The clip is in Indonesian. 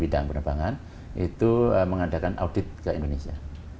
bidang penerbangan itu mengadakan audit ke indonesia